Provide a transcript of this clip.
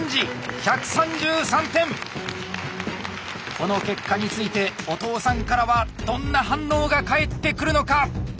この結果についてお父さんからはどんな反応が返ってくるのか。